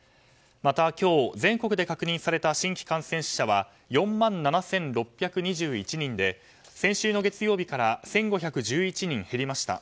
また、今日全国で確認された新規感染者は４万７６２１人で先週の月曜日から１５１１人減りました。